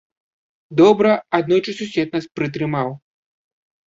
Добра, аднойчы сусед нас прытрымаў.